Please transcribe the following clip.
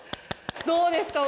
どうですか？